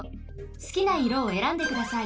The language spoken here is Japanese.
すきないろをえらんでください。